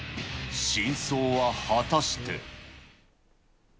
真相は果たして。